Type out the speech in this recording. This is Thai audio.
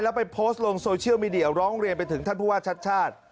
แล้วไปโพสต์ลงโซเชียลมีเดียร้องเรียนไปถึงท่านผู้ว่าชัดชาติ